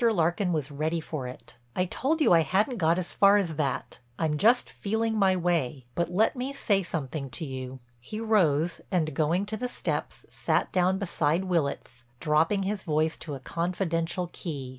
Larkin was ready for it: "I told you I hadn't got as far as that; I'm just feeling my way. But let me say something to you." He rose and, going to the steps, sat down beside Willitts, dropping his voice to a confidential key.